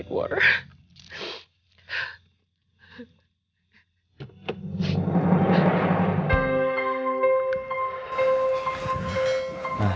menurut saya tolong aku